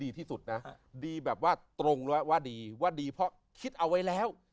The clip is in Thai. ที่สุดนะดีแบบว่าตรงแล้วว่าดีว่าดีเพราะคิดเอาไว้แล้ว